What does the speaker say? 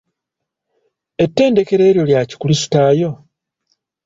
Ettendekero eryo lya kikulisitaayo?